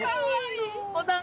おだんごや。